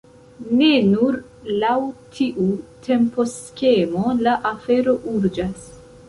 Ne nur laŭ tiu temposkemo la afero urĝas.